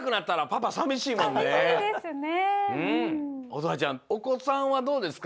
乙葉ちゃんおこさんはどうですか？